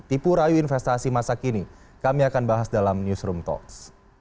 tipu rayu investasi masa kini kami akan bahas dalam newsroom talks